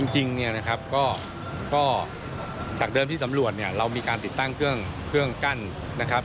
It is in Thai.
จริงจากเดิมที่สำรวจเรามีการติดตั้งเครื่องกั้นมีการติดตั้งไฟสัญญาณเตือนทั้งสามเราทำแล้ว